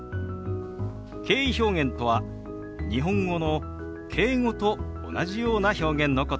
敬意表現とは日本語の「敬語」と同じような表現のことです。